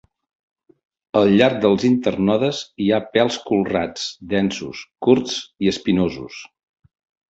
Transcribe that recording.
Al llarg dels internodes hi ha pèls colrats, densos, curts i espinosos.